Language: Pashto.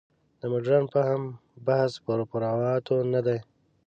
د مډرن فهم بحث پر فروعاتو نه دی.